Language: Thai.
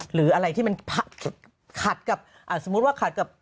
หรืออะไรที่มันขัดกับสมมุติว่าขัดกับ